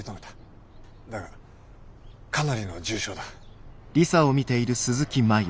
だがかなりの重傷だ。